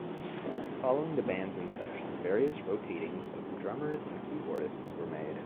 Following the band's inception, various rotatings of drummers and keyboardists were made.